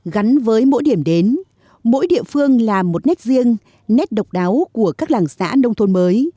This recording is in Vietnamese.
gắn với mỗi điểm đến mỗi địa phương là một nét riêng nét độc đáo của các làng xã nông thôn mới